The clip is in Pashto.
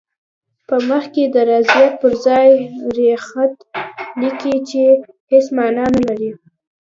په مخ کې د ریاضت پر ځای ریاخت لیکي چې هېڅ معنی نه لري.